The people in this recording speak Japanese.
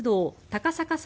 高坂